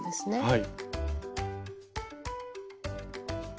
はい。